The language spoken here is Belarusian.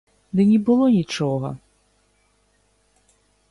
Ды не было нічога!